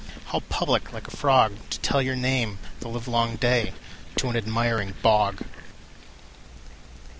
How public, like a frogTo tell your name the livelong dayTo an admiring bog!